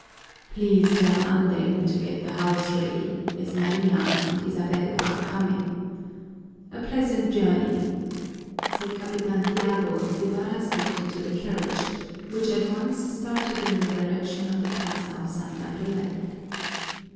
"Please tell Andeng to get the house ready, as Maria and Isabel are coming. A pleasant journey!" said Capitan Tiago as Ibarra stepped into the carriage, which at once started in the direction of the plaza of San Gabriel.